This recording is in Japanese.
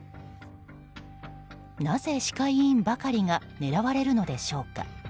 なぜ歯科医院ばかりが狙われるのでしょうか。